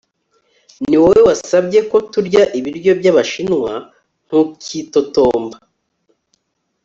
niwowe wasabye ko turya ibiryo byabashinwa, ntukitotomba